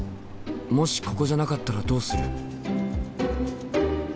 もしここじゃなかったらどうする？